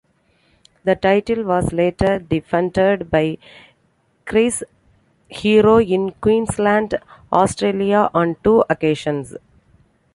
The title was later defended by Chris Hero in Queensland, Australia on two occasions.